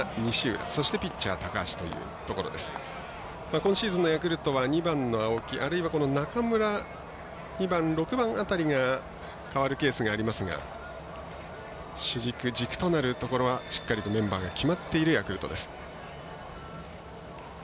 今シーズンのヤクルトは２番の青木あるいは中村、２番６番辺りが代わるケースがありますが主軸、軸となるところはしっかりとメンバーが決まっているヤクルトです。